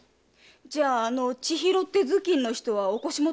じゃああの“千尋”って頭巾の人はお腰元？